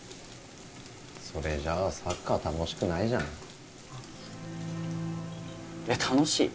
それじゃあサッカー楽しくないじゃんえっ楽しい？